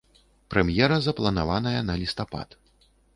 Прэм'ера запланаваная на лістапад.